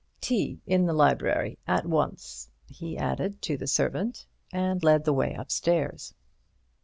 Tea in the library at once," he added to the servant, and led the way upstairs.